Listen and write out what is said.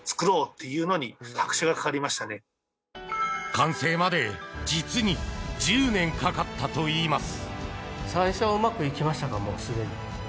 完成まで実に１０年かかったといいます。